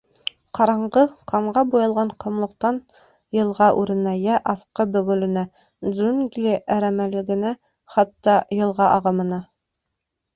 Ҡараңғы, ҡанға буялған ҡомлоҡтан йылға үренә йә аҫҡы бөгөлөнә, джунгли әрәмәлегенә, хатта йылға ағымына...